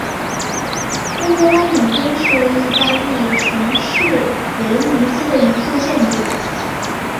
温德拉敏宫是义大利城市威尼斯的一座建筑。